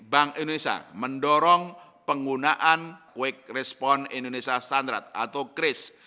bank indonesia mendorong penggunaan quick response indonesia standard atau kris